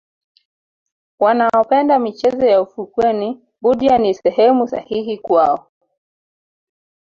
wanaopenda michezo ya ufukweni budya ni sehemu sahihi kwao